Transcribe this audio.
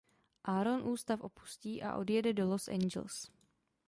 Aaron ústav opustí a odjede do Los Angeles.